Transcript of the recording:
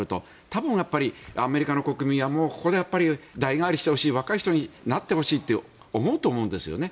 多分、アメリカの国民はここで代替わりしてほしい若い人になってほしいって思うと思うんですよね。